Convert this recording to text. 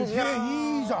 いいじゃん